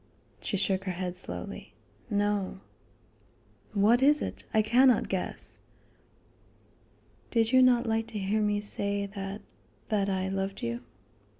She shook her head slowly: "No." "What is it? I cannot guess." "Did you not like to hear me say that that I loved you?"